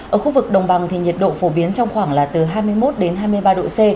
ở khu vực đồng bằng thì nhiệt độ phổ biến trong khoảng là từ hai mươi một đến hai mươi ba độ c